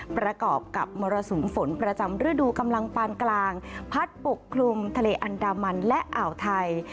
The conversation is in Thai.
ประกอบกับมรสุมฝนประจำฤดูกำลังปานกลางพัดปกคลุมทะเลอันดามันและอ่าวไทย